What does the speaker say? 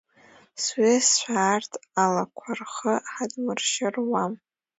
Сҩызцәа, арҭ алақәа рхы ҳадмыршьыр руам.